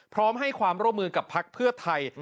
พร้อมให้ความร่วมมือกับพักเพื่อไทย